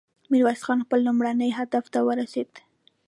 ميرويس خان خپل لومړني هدف ته ورسېد.